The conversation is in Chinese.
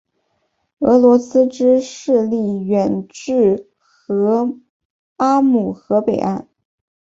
俄罗斯之势力远至阿姆河北岸。